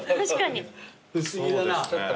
不思議だな。